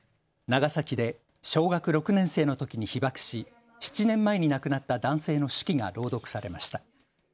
長崎で小学６年生のときに被爆し７年前に亡くなった男性の手記が朗読されました。